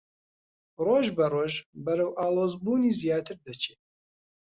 ڕۆژبەڕۆژ بەرەو ئاڵۆزبوونی زیاتر دەچێ